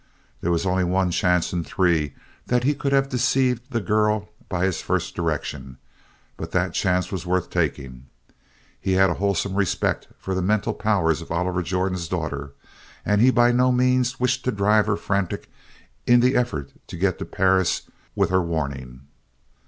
There was only one chance in three that he could have deceived the girl by his first direction, but that chance was worth taking. He had a wholesome respect for the mental powers of Oliver Jordan's daughter and he by no means wished to drive her frantic in the effort to get to Perris with her warning.